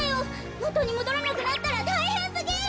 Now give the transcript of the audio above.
もとにもどらなくなったらたいへんすぎる！